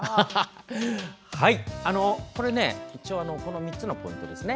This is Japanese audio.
これ一応、３つのポイントですね。